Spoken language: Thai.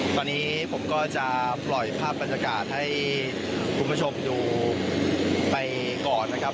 ตอนนี้ผมก็จะปล่อยภาพบรรยากาศให้คุณผู้ชมดูไปก่อนนะครับ